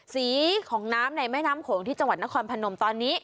สีของน้ำในแม่น้ำโขงที่จังหวัดนครพนมตอนนี้